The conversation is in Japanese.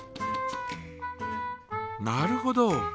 なるほど。